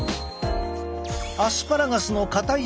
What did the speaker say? アスパラガスのかたい